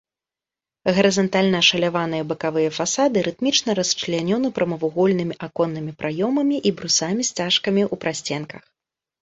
Гарызантальна ашаляваныя бакавыя фасады рытмічна расчлянёны прамавугольнымі аконнымі праёмамі і брусамі-сцяжкамі ў прасценках.